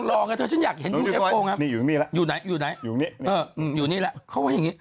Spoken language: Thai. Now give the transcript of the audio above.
มนุษย์ต่างดาวชื่ออะไรแรนดี่นะเธอ